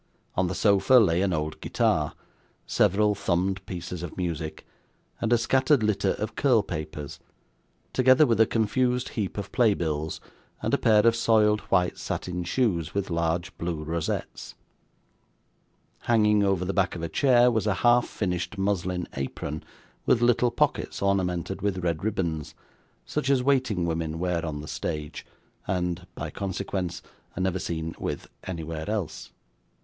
On the sofa lay an old guitar, several thumbed pieces of music, and a scattered litter of curl papers; together with a confused heap of play bills, and a pair of soiled white satin shoes with large blue rosettes. Hanging over the back of a chair was a half finished muslin apron with little pockets ornamented with red ribbons, such as waiting women wear on the stage, and (by consequence) are never seen with anywhere else.